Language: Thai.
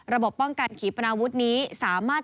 ระบบป้องกันขี่ปนาวุธนี้สามารถ